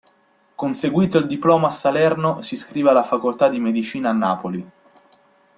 Conseguito il diploma a Salerno, si iscrive alla facoltà di Medicina a Napoli.